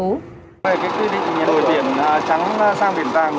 đổi biển trắng sang biển vàng